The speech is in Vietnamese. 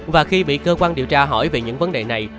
và khi bị cơ quan điều tra hỏi về những vấn đề này